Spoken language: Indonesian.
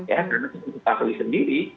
karena kita pilih sendiri